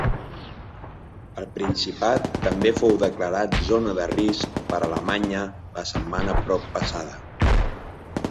El Principat també fou declarat zona de risc per Alemanya la setmana proppassada.